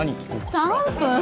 ３分！？